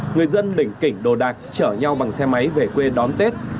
người dân đỉnh kỉnh đồ đạc chở nhau bằng xe máy về quê đón tết